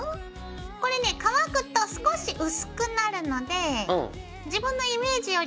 これね乾くと少し薄くなるので自分のイメージよりちょい濃いめがいいかな。